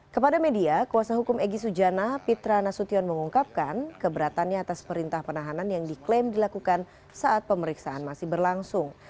kepada media kuasa hukum egy sujana pitra nasution mengungkapkan keberatannya atas perintah penahanan yang diklaim dilakukan saat pemeriksaan masih berlangsung